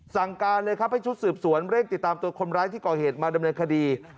สั่งการเลยครับให้ชุดสืบสวนเร่งติดตามตัวคนร้ายที่ก่อเหตุมาดำเนินคดี